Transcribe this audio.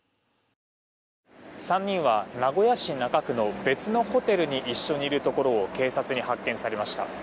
３人は名古屋市中区の別のホテルに一緒にいるところを警察に発見されました。